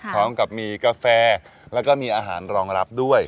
พร้อมกับมีกาแฟแล้วก็มีอาหารรองรับด้วย